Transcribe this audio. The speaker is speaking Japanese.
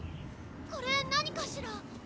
これ何かしら？